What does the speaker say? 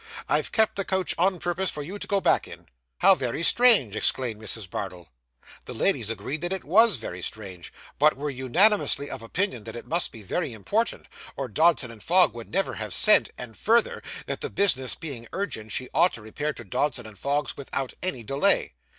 I've kept the coach on purpose for you to go back in.' 'How very strange!' exclaimed Mrs. Bardell. The ladies agreed that it _was _ very strange, but were unanimously of opinion that it must be very important, or Dodson & Fogg would never have sent; and further, that the business being urgent, she ought to repair to Dodson & Fogg's without any delay.